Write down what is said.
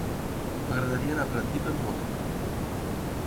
M'agradaria anar a Pratdip amb moto.